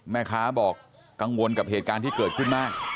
แม่ค้าบอกกังวลกับเหตุการณ์ที่เกิดขึ้นมาก